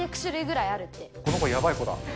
この子、やばい子だ。